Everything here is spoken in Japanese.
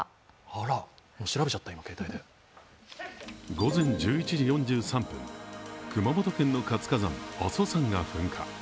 午前１１時４３分、熊本県の活火山・阿蘇山が噴火。